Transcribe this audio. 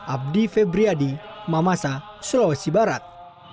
abdi febriadi mamasa sulawesi barat